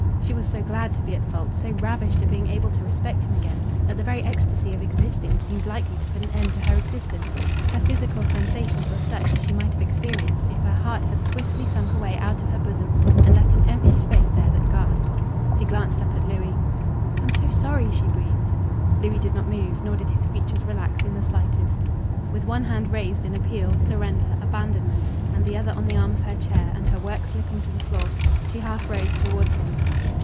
She was so glad to be at fault, so ravished at being able to respect him again, that the very ecstasy of existing seemed likely to put an end to her existence. Her physical sensations were such as she might have experienced if her heart had swiftly sunk away out of her bosom and left an empty space there that gasped. She glanced up at Louis. "I'm so sorry!" she breathed. Louis did not move, nor did his features relax in the slightest. With one hand raised in appeal, surrender, abandonment and the other on the arm of her chair, and her work slipping to the floor, she half rose towards him.